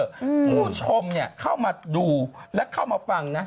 ผู้ชมเข้ามาดูและเข้ามาฟัง